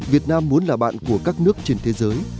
việt nam muốn là bạn của các nước trên thế giới